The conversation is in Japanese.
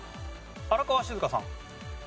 荒川静香さん。